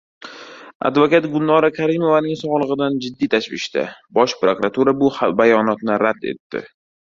Advokat Gulnora Karimovaning sog‘lig‘idan jiddiy tashvishda. Bosh prokuratura bu bayonotni rad etdi